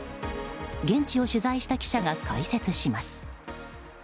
現地を取材した記者が解説します。